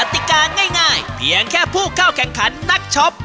ติกาง่ายเพียงแค่ผู้เข้าแข่งขันนักช็อป